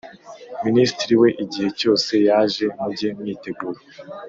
Minisitiri we igihe cyose yaje mujye mwitegura